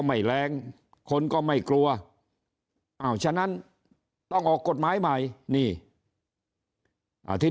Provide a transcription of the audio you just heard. ไม่แรงคนก็ไม่กลัวอ้าวฉะนั้นต้องออกกฎหมายใหม่นี่ที่